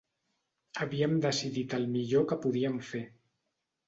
Havíem decidit el millor que podíem fer